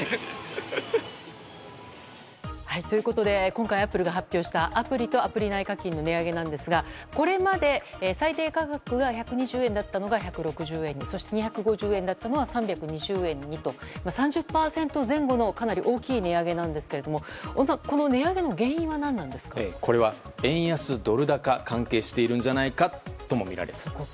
今回、アップルが発表したアプリとアプリ内課金の値上げですがこれまで最低価格が１２０円だったのが１６０円にそして２５０円だったのが３２０円にと３０％前後のかなり大きい値上げなんですがこれは円安ドル高が関係しているんじゃないかともみられています。